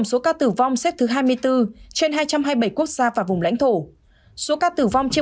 số ca tử vong trên một triệu dân xếp thứ một trăm ba mươi trên hai trăm hai mươi bảy quốc gia vùng lãnh thổ trên thế giới